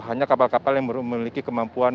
hanya kapal kapal yang memiliki kemampuan